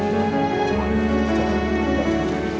mama sudah senang